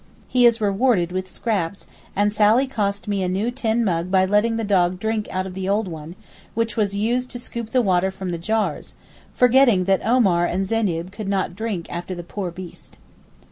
He is rewarded with scraps, and Sally cost me a new tin mug by letting the dog drink out of the old one, which was used to scoop the water from the jars, forgetting that Omar and Zeyneb could not drink after the poor beast.